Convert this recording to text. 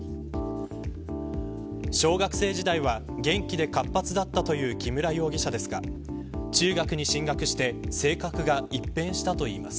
小学生時代は元気で活発だったという木村容疑者ですが中学に進学して性格が一変したといいます。